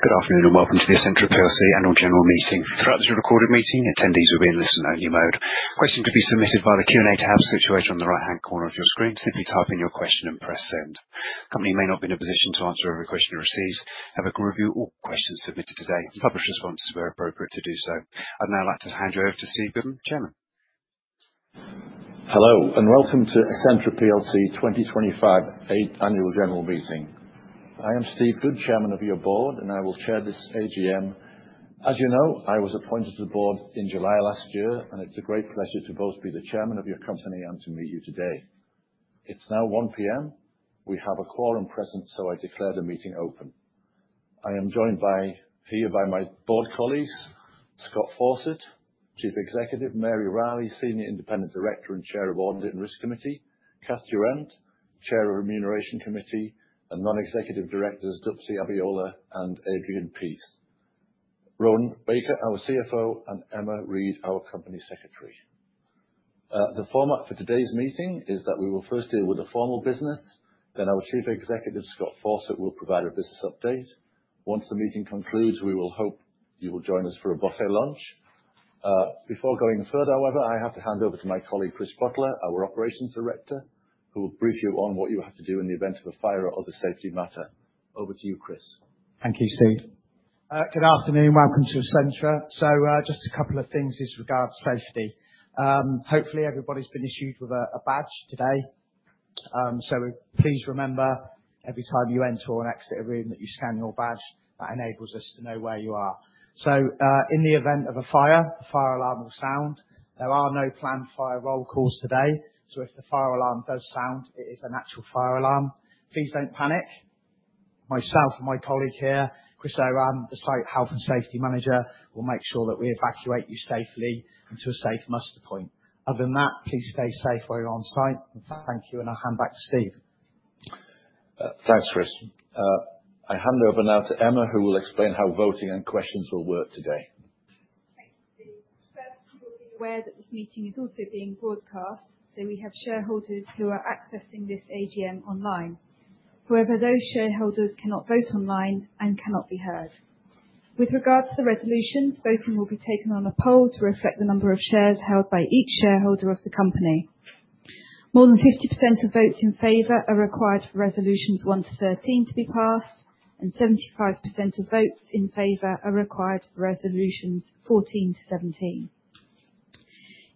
Good afternoon and welcome to the Essentra plc annual general meeting. Throughout this recorded meeting, attendees will be in listen-only mode. Questions will be submitted via the Q&A tab situated on the right-hand corner of your screen. Simply type in your question and press send. The company may not be in a position to answer every question you receive, have a review of all questions submitted today, and publish responses where appropriate to do so. I'd now like to hand you over to Steve Good, Chairman. Hello and welcome to Essentra plc 2025 annual general meeting. I am Steve Good, Chairman of your board, and I will chair this AGM. As you know, I was appointed to the board in July last year, and it's a great pleasure to both be the Chairman of your company and to meet you today. It's now 1:00 P.M. We have a quorum present, so I declare the meeting open. I am joined here by my board colleagues, Scott Fawcett, Chief Executive, Mary Reilly, Senior Independent Director and Chair of Audit and Risk Committee, Cass Turrent, Chair of Remuneration Committee, and non-executive directors Dupsy Abiola and Adrian Peace, Rowan Baker, our CFO, and Emma Reid, our Company Secretary. The format for today's meeting is that we will first deal with the formal business. Then our Chief Executive, Scott Fawcett, will provide a business update. Once the meeting concludes, we will hope you will join us for a buffet lunch. Before going further, however, I have to hand over to my colleague, Chris Butler, our Operations Director, who will brief you on what you have to do in the event of a fire or other safety matter. Over to you, Chris. Thank you, Steve. Good afternoon. Welcome to Essentra. Just a couple of things with regards to safety. Hopefully, everybody's been issued with a badge today. Please remember, every time you enter or exit a room, that you scan your badge. That enables us to know where you are. In the event of a fire, the fire alarm will sound. There are no planned fire roll calls today. If the fire alarm does sound, it is an actual fire alarm. Please do not panic. Myself and my colleague here, Chris Oram, the Site Health and Safety Manager, will make sure that we evacuate you safely into a safe muster point. Other than that, please stay safe while you're on site. Thank you, and I'll hand back to Steve. Thanks, Chris. I hand over now to Emma, who will explain how voting and questions will work today. Thank you, Steve. First, you will be aware that this meeting is also being broadcast, so we have shareholders who are accessing this AGM online. However, those shareholders cannot vote online and cannot be heard. With regards to the resolutions, voting will be taken on a poll to reflect the number of shares held by each shareholder of the company. More than 50% of votes in favor are required for resolutions 1 to 13 to be passed, and 75% of votes in favor are required for resolutions 14 to 17.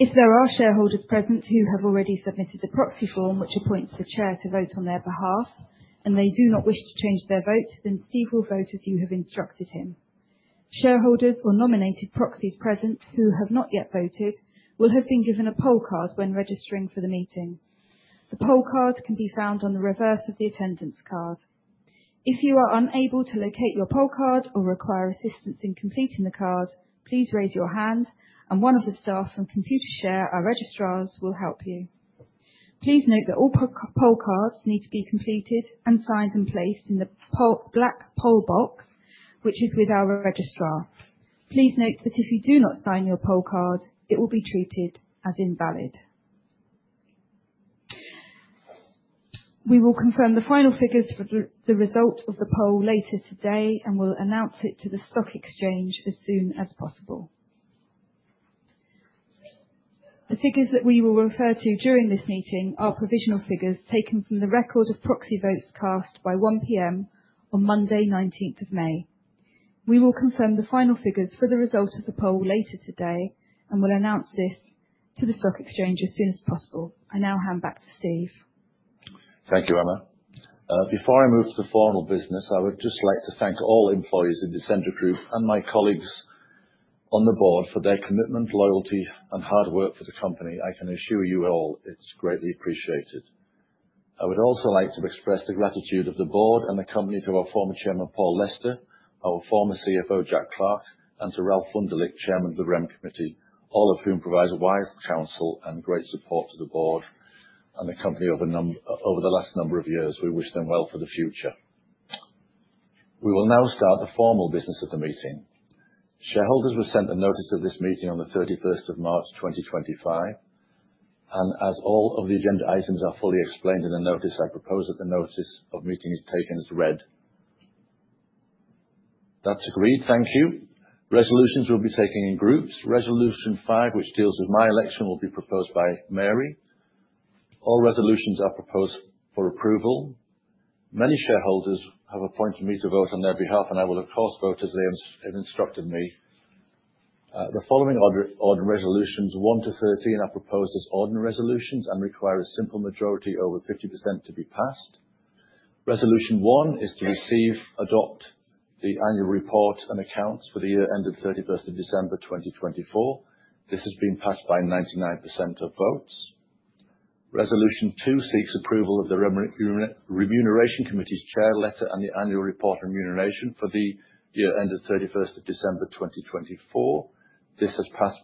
If there are shareholders present who have already submitted the proxy form, which appoints the Chair to vote on their behalf, and they do not wish to change their vote, then Steve will vote as you have instructed him. Shareholders or nominated proxies present who have not yet voted will have been given a poll card when registering for the meeting. The poll card can be found on the reverse of the attendance card. If you are unable to locate your poll card or require assistance in completing the card, please raise your hand, and one of the staff from Computershare, our registrars, will help you. Please note that all poll cards need to be completed and signed and placed in the black poll box, which is with our registrar. Please note that if you do not sign your poll card, it will be treated as invalid. We will confirm the final figures for the result of the poll later today and will announce it to the Stock Exchange as soon as possible. The figures that we will refer to during this meeting are provisional figures taken from the record of proxy votes cast by 1:00 P.M. on Monday, 19th of May. We will confirm the final figures for the result of the poll later today and will announce this to the Stock Exchange as soon as possible. I now hand back to Steve. Thank you, Emma. Before I move to the formal business, I would just like to thank all employees of the Essentra Group and my colleagues on the board for their commitment, loyalty, and hard work for the company. I can assure you all it's greatly appreciated. I would also like to express the gratitude of the board and the company to our former Chairman, Paul Lester, our former CFO, Jack Clarke, and to Ralph Wunderlich, Chairman of the Rem Committee, all of whom provide wise counsel and great support to the board and the company over the last number of years. We wish them well for the future. We will now start the formal business of the meeting. Shareholders were sent a notice of this meeting on the 31st of March, 2025, and as all of the agenda items are fully explained in the notice, I propose that the notice of meeting is taken as read. That's agreed. Thank you. Resolutions will be taken in groups. Resolution 5, which deals with my election, will be proposed by Mary. All resolutions are proposed for approval. Many shareholders have appointed me to vote on their behalf, and I will, of course, vote as they have instructed me. The following order resolutions, 1 to 13, are proposed as ordinary resolutions and require a simple majority over 50% to be passed. Resolution 1 is to receive, adopt the annual report and accounts for the year ended 31st of December 2024. This has been passed by 99% of votes. Resolution 2 seeks approval of the Remuneration Committee's Chair letter and the annual report and remuneration for the year ended 31st of December 2024. This has passed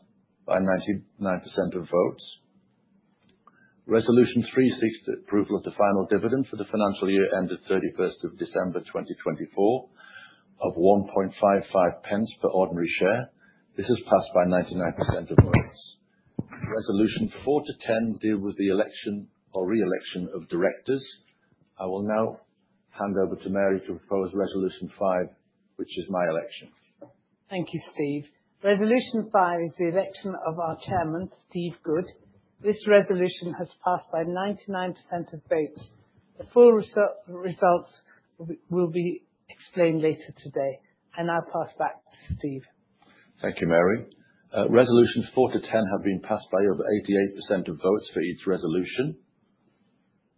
by 99% of votes. Resolution 3 seeks approval of the final dividend for the financial year ended 31st of December 2024 of GBP 0.0155 per ordinary share. This has passed by 99% of votes. Resolution 4 to 10 deals with the election or re-election of directors. I will now hand over to Mary to propose Resolution 5, which is my election. Thank you, Steve. Resolution 5 is the election of our Chairman, Steve Good. This resolution has passed by 99% of votes. The full results will be explained later today. I now pass back to Steve. Thank you, Mary. Resolutions 4 to 10 have been passed by over 88% of votes for each resolution.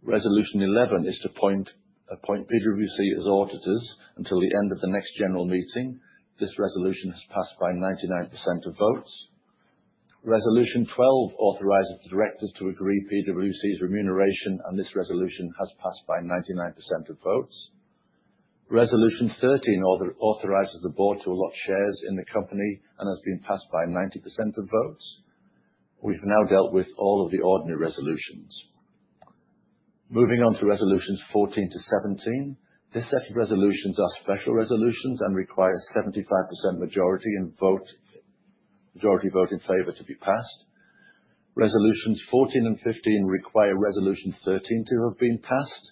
Resolution 11 is to appoint PwC as auditors until the end of the next general meeting. This resolution has passed by 99% of votes. Resolution 12 authorizes the directors to agree PwC's remuneration, and this resolution has passed by 99% of votes. Resolution 13 authorizes the board to allot shares in the company and has been passed by 90% of votes. We've now dealt with all of the ordinary resolutions. Moving on to Resolutions 14 to 17. This set of resolutions are special resolutions and require a 75% majority vote in favor to be passed. Resolutions 14 and 15 require Resolution 13 to have been passed.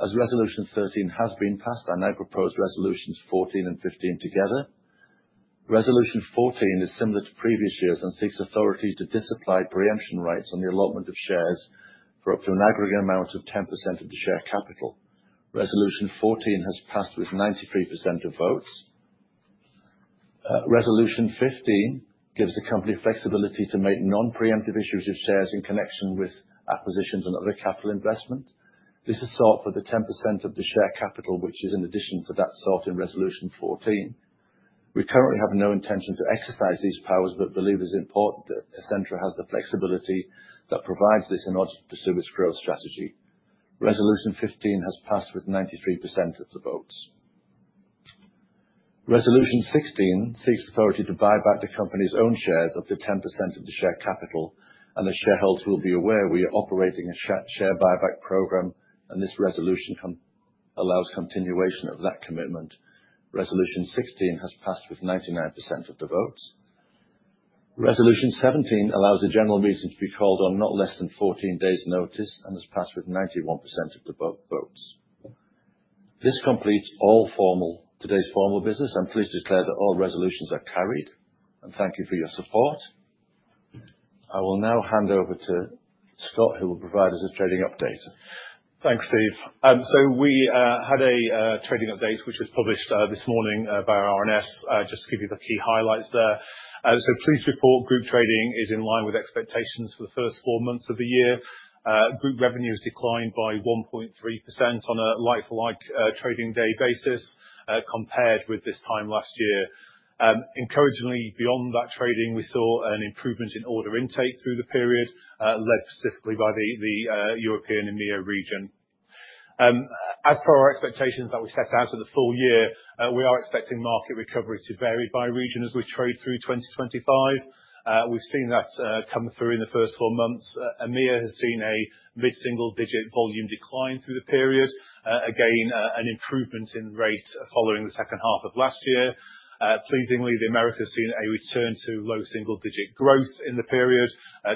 As Resolution 13 has been passed, I now propose Resolutions 14 and 15 together. Resolution 14 is similar to previous years and seeks authority to disapply preemption rights on the allotment of shares for up to an aggregate amount of 10% of the share capital. Resolution 14 has passed with 93% of votes. Resolution 15 gives the company flexibility to make non-preemptive issues of shares in connection with acquisitions and other capital investment. This is sought for the 10% of the share capital, which is in addition to that sought in Resolution 14. We currently have no intention to exercise these powers, but believe it is important that Essentra has the flexibility that provides this in order to pursue its growth strategy. Resolution 15 has passed with 93% of the votes. Resolution 16 seeks authority to buy back the company's own shares up to 10% of the share capital, and the shareholders will be aware we are operating a share buyback program, and this resolution allows continuation of that commitment. Resolution 16 has passed with 99% of the votes. Resolution 17 allows a general meeting to be called on not less than 14 days' notice and has passed with 91% of the votes. This completes today's formal business. I'm pleased to declare that all resolutions are carried, and thank you for your support. I will now hand over to Scott, who will provide us a trading update. Thanks, Steve. We had a trading update which was published this morning by RNS, just to give you the key highlights there. Please report group trading is in line with expectations for the first four months of the year. Group revenue has declined by 1.3% on a like-for-like trading day basis compared with this time last year. Encouragingly, beyond that trading, we saw an improvement in order intake through the period, led specifically by the European and EMEA region. As per our expectations that we set out for the full year, we are expecting market recovery to vary by region as we trade through 2025. We've seen that come through in the first four months. EMEA has seen a mid-single-digit volume decline through the period, again an improvement in rate following the second half of last year. Pleasingly, the Americas have seen a return to low single-digit growth in the period,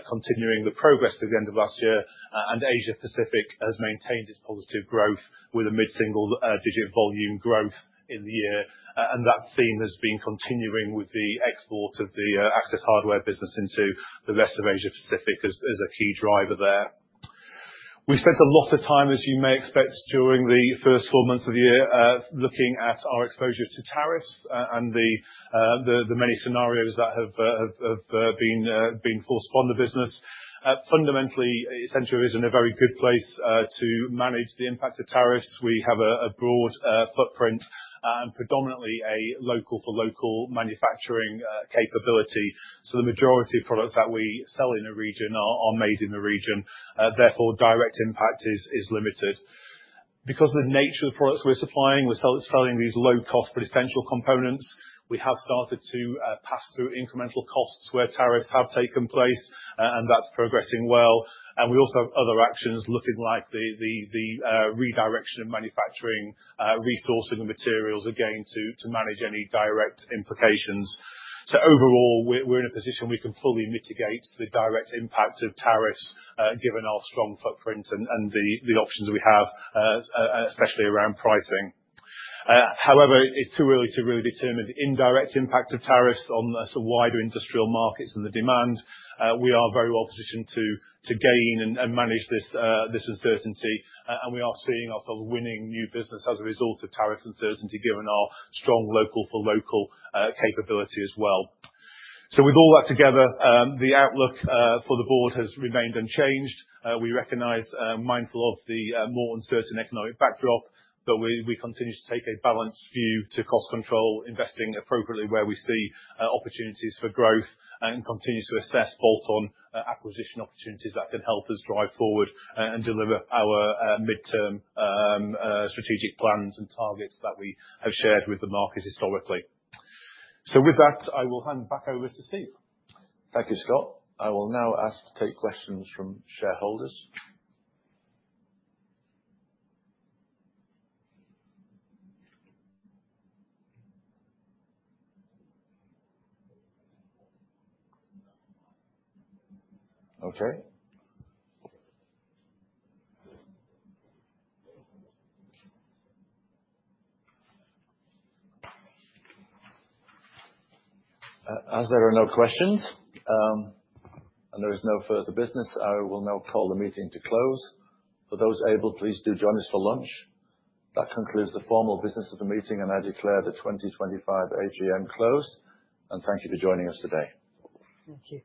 continuing the progress through the end of last year. Asia-Pacific has maintained its positive growth with a mid-single-digit volume growth in the year. That theme has been continuing with the export of the access hardware business into the rest of Asia-Pacific as a key driver there. We spent a lot of time, as you may expect, during the first four months of the year looking at our exposure to tariffs and the many scenarios that have been forced upon the business. Fundamentally, Essentra is in a very good place to manage the impact of tariffs. We have a broad footprint and predominantly a local-for-local manufacturing capability. The majority of products that we sell in a region are made in the region. Therefore, direct impact is limited. Because of the nature of the products we are supplying, we are selling these low-cost but essential components. We have started to pass through incremental costs where tariffs have taken place, and that is progressing well. We also have other actions looking like the redirection of manufacturing, resourcing, and materials, again to manage any direct implications. Overall, we are in a position we can fully mitigate the direct impact of tariffs given our strong footprint and the options we have, especially around pricing. However, it is too early to really determine the indirect impact of tariffs on some wider industrial markets and the demand. We are very well positioned to gain and manage this uncertainty, and we are seeing ourselves winning new business as a result of tariff uncertainty given our strong local-for-local capability as well. With all that together, the outlook for the board has remained unchanged. We recognize and are mindful of the more uncertain economic backdrop, but we continue to take a balanced view to cost control, investing appropriately where we see opportunities for growth, and continue to assess bolt-on acquisition opportunities that can help us drive forward and deliver our midterm strategic plans and targets that we have shared with the market historically. With that, I will hand back over to Steve. Thank you, Scott. I will now ask to take questions from shareholders. Okay. As there are no questions and there is no further business, I will now call the meeting to close. For those able, please do join us for lunch. That concludes the formal business of the meeting, and I declare the 2025 AGM closed. Thank you for joining us today. Thank you.